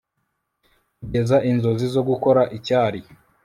Kugeza inzozi zo gukora icyari